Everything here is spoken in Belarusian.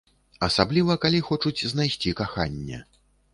Асабліва калі хочуць знайсці каханне.